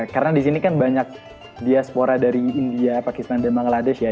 karena di sini kan banyak diaspora dari india pakistan dan bangladesh ya